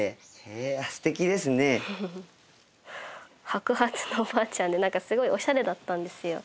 白髪のおばあちゃんで何かすごいオシャレだったんですよ。